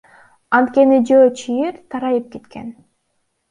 Анткени жөө чыйыр тарайып кеткен.